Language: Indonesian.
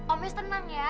om yus tenang ya